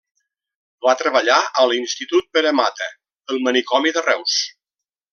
Va treballar a l’Institut Pere Mata, el manicomi de Reus.